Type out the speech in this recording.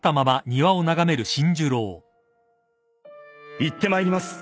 行ってまいります